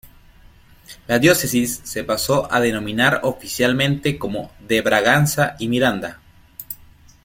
La diócesis se pasó a denominar oficialmente como "de Braganza y Miranda".